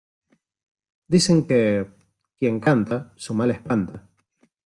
dicen que... quien canta, su mal espanta .